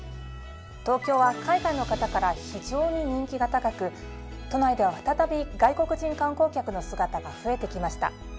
東京は海外の方から非常に人気が高く都内では再び外国人観光客の姿が増えてきました。